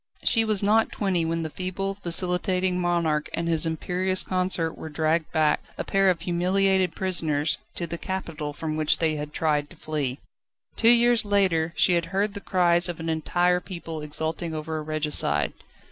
She was not twenty when the feeble, vacillating monarch and his imperious consort were dragged back a pair of humiliated prisoners to the capital from which they had tried to flee. Two years later, she had heard the cries of an entire people exulting over a regicide.